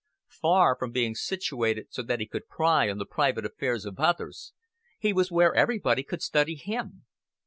Far from being situated so that he could pry on the private affairs of others, he was where everybody could study him.